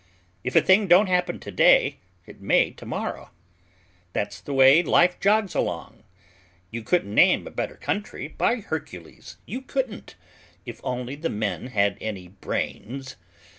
If a thing don't happen today, it may tomorrow. That's the way life jogs along. You couldn't name a better country, by Hercules, you couldn't, if only the men had any brains.